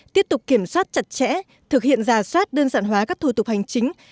tiếp tục kiểm soát chặt chẽ thực hiện giả soát đơn giản hóa các thủ tục hành chính